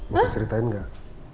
mau ceritain gak